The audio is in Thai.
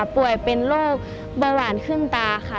ป่วยเป็นโรคบรรหารครึ่งตาค่ะ